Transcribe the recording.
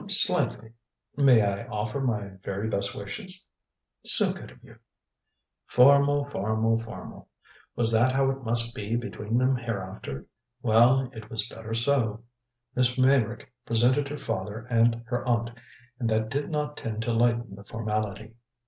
"Er slightly. May I offer my very best wishes?" "So good of you." Formal, formal, formal. Was that how it must be between them hereafter? Well, it was better so. Miss Meyrick presented her father and her aunt, and that did not tend to lighten the formality.